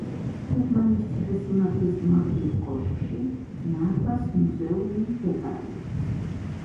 ჰერმანის ციხე–სიმაგრის მაღლივ კოშკში ნარვას მუზეუმი მდებარეობს.